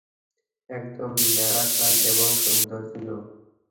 একদম ন্যাচারাল এবং সুন্দর ছিল।